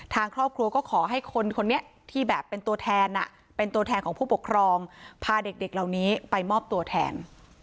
ทางครอบครัวก็ขอให้คนคนนี้ที่แบบเป็นตัวแทนเป็นตัวแทนของผู้ปกครองพาเด็กเหล่านี้ไปมอบตัวแทน